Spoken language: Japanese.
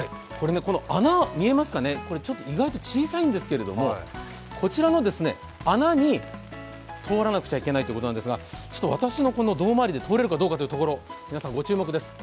この穴、意外と小さいんですけれどもこちらの穴に通らなくちゃいけないということなんですが、私の胴回りで通れるかどうかというところ皆さん、ご注目です。